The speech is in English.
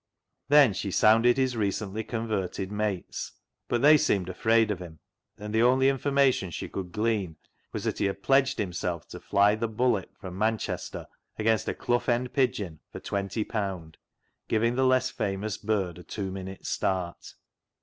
Then she sounded his recently converted mates, but they seemed afraid of him, and the only information she could glean was that he had pledged himself to fly the " Bullet " from Manchester against a Clough End pigeon for ;^20, giving the less famous bird a two minutes' start.